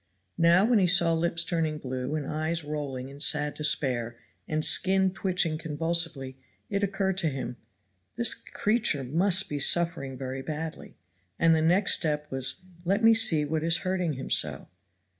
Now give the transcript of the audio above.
Now when he saw lips turning blue and eyes rolling in sad despair, and skin twitching convulsively, it occurred to him "this creature must be suffering very badly," and the next step was "let me see what is hurting him so."